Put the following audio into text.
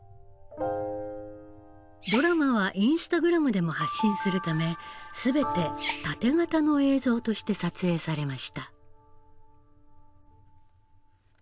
ドラマはインスタグラムでも発信するため全てタテ型の映像として撮影されました。